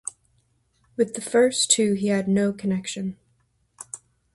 With the first two he had no connexion.